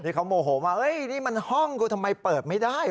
ที่เขาโมโหมาเอ้ยนี่มันห้องกูทำไมเปิดไม่ได้